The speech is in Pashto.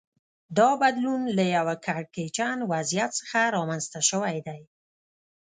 دا بدلون له یوه کړکېچن وضعیت څخه رامنځته شوی دی